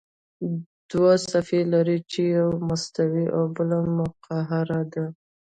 دوه صفحې لري چې یوه مستوي او بله مقعره ده.